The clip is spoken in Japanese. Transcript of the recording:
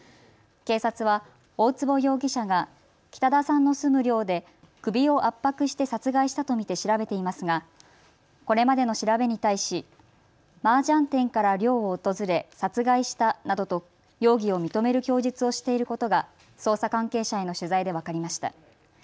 警察は大坪容疑者が北田さんの住む寮で首を圧迫して殺害したと見て調べていますがこれまでの調べに対しマージャン店から寮を訪れ殺害したなどと容疑を認める供述をしていることが捜査関係者への取材で分かりました。